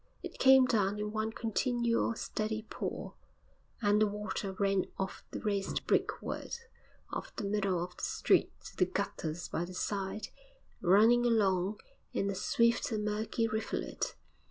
It came down in one continual steady pour, and the water ran off the raised brickwork of the middle of the street to the gutters by the side, running along in a swift and murky rivulet.